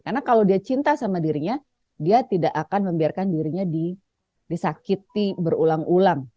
karena kalau dia cinta sama dirinya dia tidak akan membiarkan dirinya disakiti berulang ulang